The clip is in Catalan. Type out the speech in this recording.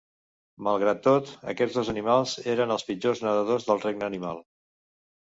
Malgrat tot, aquests dos animals eren els pitjors nedadors del regne animal.